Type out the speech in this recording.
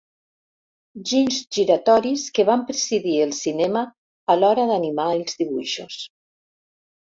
Ginys giratoris que van precedir els cinema a l'hora d'animar els dibuixos.